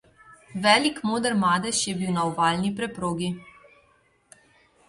Velik moker madež je bil na ovalni preprogi.